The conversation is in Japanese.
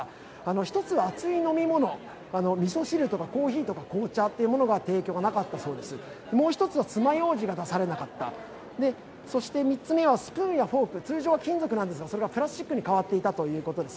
１つは熱い飲み物、みそ汁とかコーヒーとか紅茶の提供はなかったそうです、もう一つは爪ようじが出されなかった、そして、３つ目はスプーンやフォーク、通常は金属なんですがそれがプラスチックに変わっていたということです。